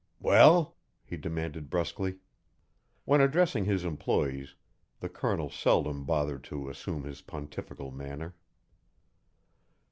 "Well?" he demanded brusquely. When addressing his employees, the Colonel seldom bothered to assume his pontifical manner.